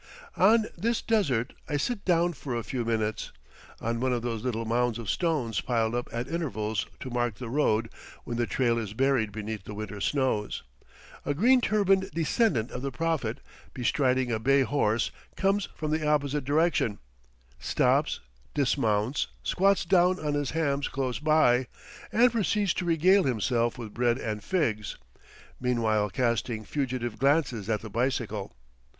On this desert, I sit down, for a few minutes, on one of those little mounds of stones piled up at intervals to mark the road when the trail is buried beneath the winter snows; a green turbaned descendant of the Prophet, bestriding a bay horse, comes from the opposite direction, stops, dismounts, squats down on his hams close by, and proceeds to regale himself with bread and figs, meanwhile casting fugitive glances at the bicycle.